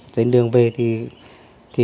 đến đường về thì